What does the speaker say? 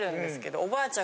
おばあちゃん。